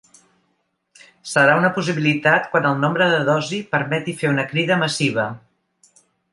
“Serà una possibilitat quan el nombre de dosi permeti fer una crida massiva”.